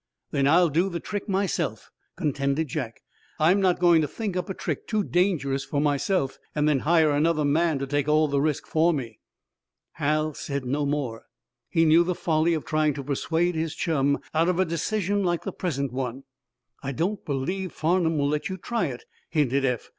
"Then I'll do the trick myself," contended Jack. "I'm not going to think up a trick too dangerous for myself, and then hire another man to take all the risk for me." Hal said no more. He knew the folly of trying to persuade his chum out of a decision like the present one. "I don't believe Farnum will let you try it," hinted Eph.